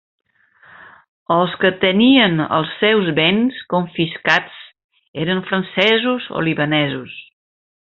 Els que tenien els seus béns confiscats eren francesos o Libanesos.